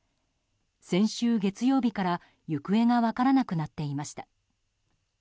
先週月曜日から行方が分からなくなっていました。